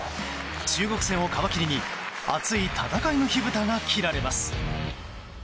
中国戦を皮切りに熱い戦いの火ぶたが切られます。